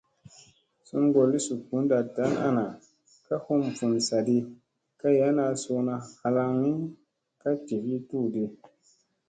Sungolli su bunɗa dan ana ka hum vun sadi kay ana, suuna halaŋgi ka jivi tuudi.